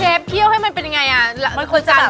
เชฟเชี่ยวให้มันเป็นยังไงมันคือคุณชาวดูอะ